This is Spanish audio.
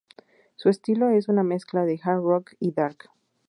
Su estilo es una mezcla de hard rock y dark.